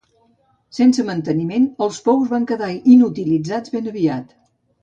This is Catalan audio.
Sense manteniment els pous van quedar inutilitzats ben aviat.